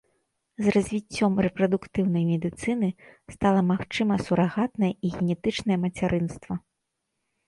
З развіццём рэпрадуктыўнай медыцыны стала магчыма сурагатнае і генетычнае мацярынства.